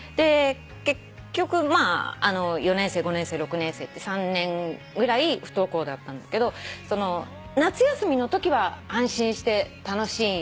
結局４年生５年生６年生って３年ぐらい不登校だったんだけど夏休みのときは安心して楽しいんだよね。